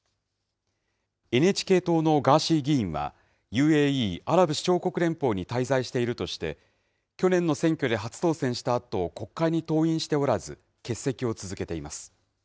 ＮＨＫ党のガーシー議員は、ＵＡＥ・アラブ首長国連邦に滞在しているとして、去年の選挙で初当選したあと、国会に登院しておらず、欠席を続けています。